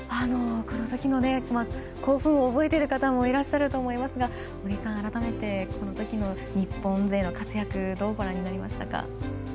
このときの興奮、覚えてる方もいらっしゃると思いますが改めて、このときの日本勢の活躍どうご覧になりましたか。